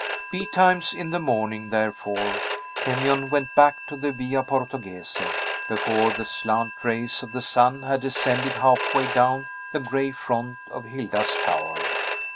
Betimes in the morning, therefore, Kenyon went back to the Via Portoghese, before the slant rays of the sun had descended halfway down the gray front of Hilda's tower.